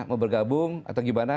mau bergabung atau gimana